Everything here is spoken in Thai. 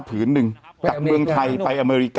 แต่หนูจะเอากับน้องเขามาแต่ว่า